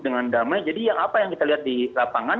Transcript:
dengan damai jadi apa yang kita lihat di lapangan